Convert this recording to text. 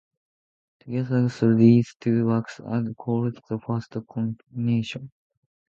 Together these two works are called the first continuation.